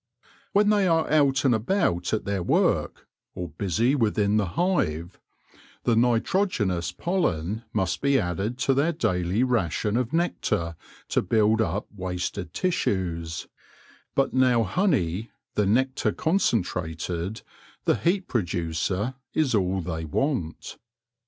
When they are out and about at their work, or busy within the hive, the nitrogenous pollen must be added to their daily ration of nectar to build up wasted tissues ; but now honey, the nectar concen trated, the heat producer, is all they want.